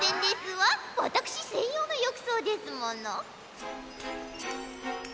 わたくしせんようのよくそうですもの。